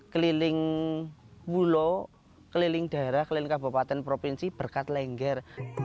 keliling wulo keliling daerah keliling kabupaten provinsi berkat lengger